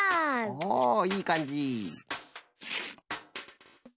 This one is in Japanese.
おおいいかんじ！